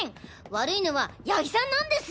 悪いのは谷木さんなんです！